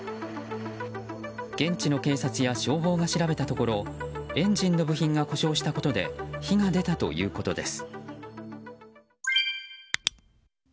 現地の警察や消防が調べたところエンジンの部品が故障したことで火が出たということです。